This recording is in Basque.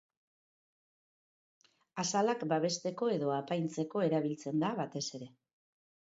Azalak babesteko edo apaintzeko erabiltzen da, batez ere.